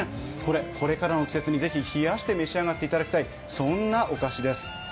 これからの季節にぜひ冷やして召し上がっていただきたい、そんなお菓子です。